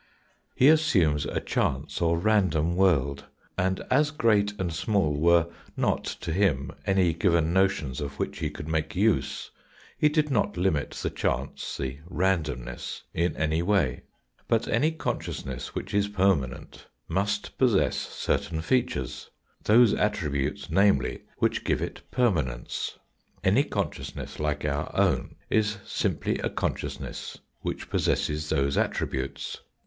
He assumes a chance or random world, and as great and small were not to him any given notions of which he could make use, he did not limit the chance, the random ness, in any way. But any consciousness which is per manent must possess certain features those attributes namely which give it permanence. Any consciousness like our own is simply a consciousness which possesses those attributes.